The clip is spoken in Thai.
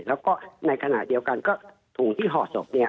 แล้วก็ในขณะเดียวกันถุงที่หอศพ